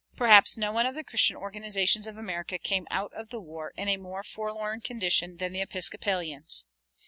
Perhaps no one of the Christian organizations of America came out of the war in a more forlorn condition than the Episcopalians.